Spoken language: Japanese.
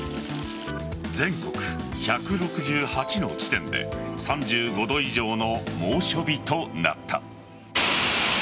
全国１６８の地点で３５度以上の猛暑日となった。